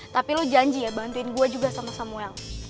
tapi lu janji ya bantuin gua juga sama samuel